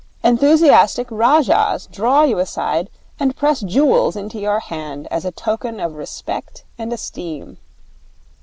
Enthusiastic rajahs draw you aside and press jewels into your hand as a token of respect and esteem.